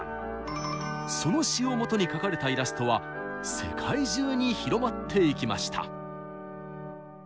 その詩をもとに描かれたイラストは世界中に広まっていきました。